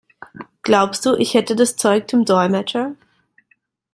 Glaubst du, ich hätte das Zeug zum Dolmetscher?